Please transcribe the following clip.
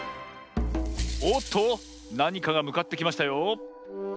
おっとなにかがむかってきましたよ。